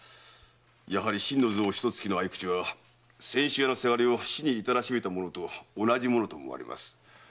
やはり心の臓を一突きの匕首は泉州屋の伜を死に至らしめたのと同じものと思われます。